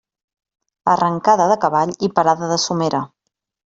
Arrancada de cavall i parada de somera.